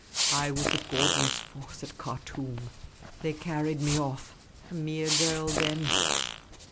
I was with Gordon's force at Khartoum. They carried me off. A mere girl then.